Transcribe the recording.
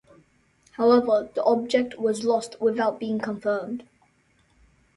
However, the object was lost without being confirmed.